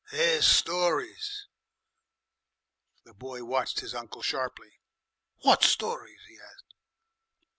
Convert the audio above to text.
There's stories " The boy watched his uncle sharply. "WOT stories?" he said.